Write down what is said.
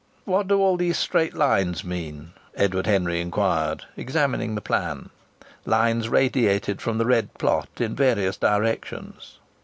"What do all these straight lines mean?" Edward Henry inquired, examining the plan. Lines radiated from the red plot in various directions.